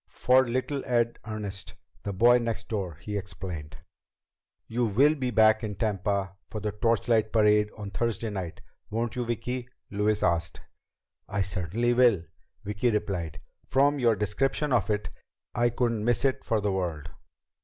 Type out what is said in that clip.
"For little Ed Ernest, the boy next door," he explained. "You will be back in Tampa for the torchlight parade on Thursday night, won't you, Vicki?" Louise asked. "I certainly will," Vicki replied. "From your description of it, I couldn't miss it for the world."